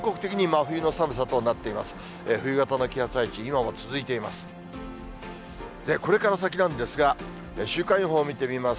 冬型の気圧配置、今も続いています。